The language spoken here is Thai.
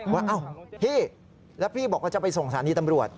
ว่าอ้าวพี่แล้วพี่บอกว่าจะไปส่งสถานีตำรวจ